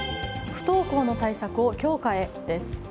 不登校の対策を強化へ、です。